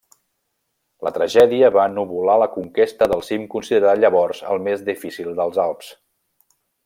La tragèdia va ennuvolar la conquesta del cim considerat llavors el més difícil dels Alps.